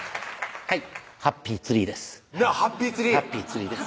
はいハッピーツリーです